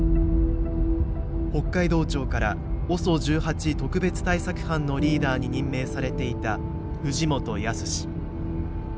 北海道庁からＯＳＯ１８特別対策班のリーダーに任命されていた藤本靖。